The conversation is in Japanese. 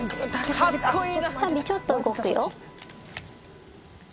タビちょっと動くよ。